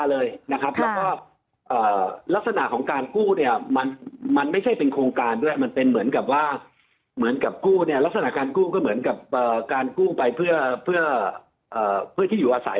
แล้วก็ลักษณะของการกู้เนี่ยมันไม่ใช่เป็นโครงการด้วยมันเป็นเหมือนกับว่าเหมือนกับกู้เนี่ยลักษณะการกู้ก็เหมือนกับการกู้ไปเพื่อที่อยู่อาศัย